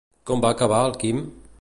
Com va acabar el Quim?